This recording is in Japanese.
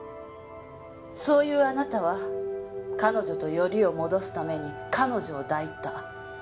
そういうあなたは彼女とよりを戻すために彼女を抱いた。